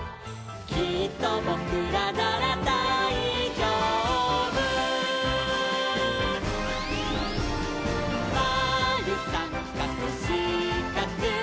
「きっとぼくらならだいじょうぶ」「まるさんかくしかく」